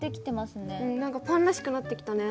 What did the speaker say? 何かパンらしくなってきたね。